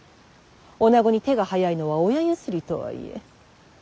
女子に手が早いのは親譲りとはいえ。